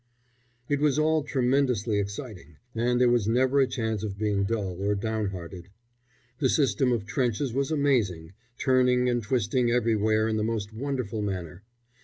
It was all tremendously exciting, and there was never a chance of being dull or downhearted. The system of trenches was amazing, turning and twisting everywhere in the most wonderful manner.